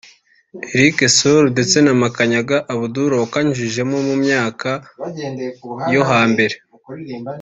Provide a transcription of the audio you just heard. Eric Soul ndetse na Makanyaga Abdoul wakanyujijeho mu myaka yo hambere